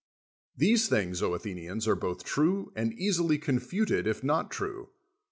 These things, Athenians, are both true, and easily confuted if not true.